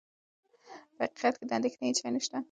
په حقیقت کې د اندېښنې هېڅ شی نه شته.